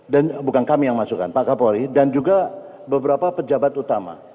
dan bukan kami yang masukkan pak kapolri dan juga beberapa pejabat utama